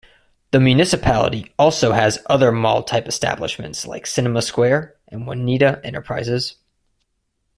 The municipality also has other mall type establishments like Cinema Square and Juanita Enterprises.